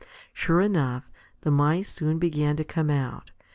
Sure enough, the Mice soon began to come out.